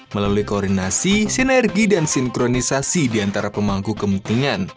melalui koordinasi sinergi dan sinkronisasi di antara pemangku kepentingan